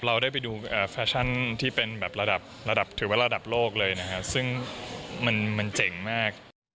เราได้ไปดูแฟชั่นที่เป็นแบบระดับระดับถือว่าระดับโลกเลยนะฮะซึ่งมันเจ๋งมาก